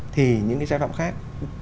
thì những cái sai phạm khác